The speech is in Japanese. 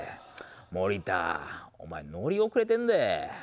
森田、お前乗り遅れてるで。